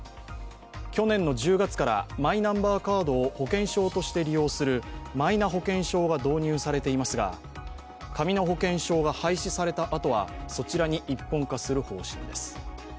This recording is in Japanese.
去年の１０月からマイナンバーカードを保険証として利用するマイナ保険証が導入されていますが紙の保険証が廃止されたあとはそちらに一本化する方針です。